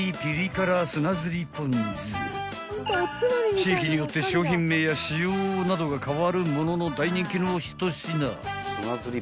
［地域によって商品名や仕様などが変わるものの大人気の一品］